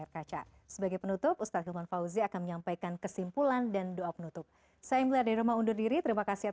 kp kemuliaan akan kembali